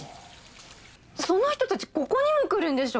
その人たちここにも来るんでしょ？